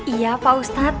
iya pak ustadz